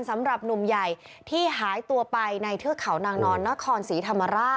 สำหรับหนุ่มใหญ่ที่หายตัวไปในเทือกเขานางนอนนครศรีธรรมราช